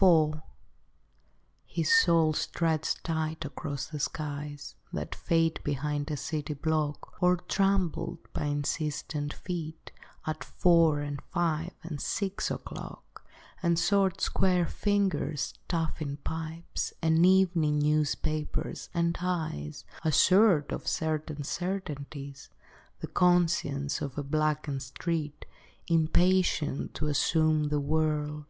IV His soul stretched tight across the skies That fade behind a city block, Or trampled by insistent feet At four and five and six o'clock; And short square fingers stuffing pipes, And evening newspapers, and eyes Assured of certain certainties, The conscience of a blackened street Impatient to assume the world.